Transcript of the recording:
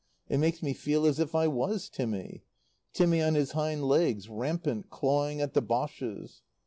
It makes me feel as if I was Timmy. Timmy on his hind legs, rampant, clawing at the Boches.